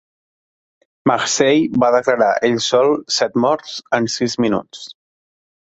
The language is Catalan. Marseille va declarar ell sol set morts en sis minuts.